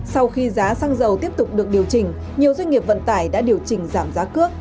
sau khi giá xăng dầu tiếp tục được điều chỉnh nhiều doanh nghiệp vận tải đã điều chỉnh giảm giá cước